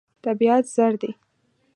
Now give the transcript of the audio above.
طبیعت زر دی.